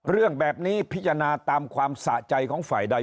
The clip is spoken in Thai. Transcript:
เรื่องแบบนี้พิจารณาตามความสะใจของฝ่ายใด